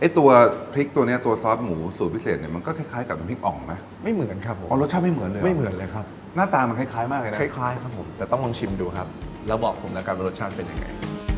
ตัวพริกตัวนี้ตัวซอสหมูสูตรพิเศษเนี่ยมันก็คล้ายกับน้ำพริกอ่องไหมไม่เหมือนครับผมรสชาติไม่เหมือนเลยไม่เหมือนเลยครับหน้าตามันคล้ายมากเลยนะคล้ายครับผมแต่ต้องลองชิมดูครับแล้วบอกผมแล้วกันว่ารสชาติเป็นยังไง